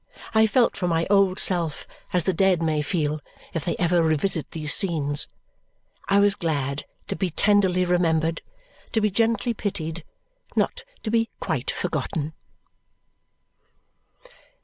I felt for my old self as the dead may feel if they ever revisit these scenes. I was glad to be tenderly remembered, to be gently pitied, not to be quite forgotten.